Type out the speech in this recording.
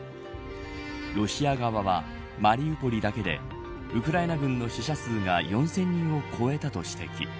ロシア側は、マリウポリだけでウクライナ軍の死者数が４０００人を超えたと指摘。